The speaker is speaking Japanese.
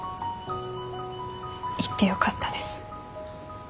行ってよかったです。